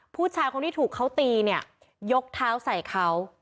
ผู้ชายคนที่ถูกเขาตีเนี่ยยกเท้าใส่เขา